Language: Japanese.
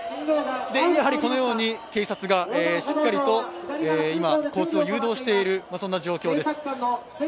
やはりこのように警察がしっかりと今、交通誘導している状況です。